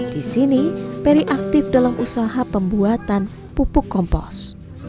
disini peri aktif dalam usaha pembuatan pupuk kompos